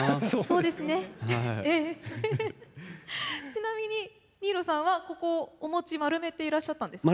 ちなみに新納さんはお餅丸めていらっしゃったんですか？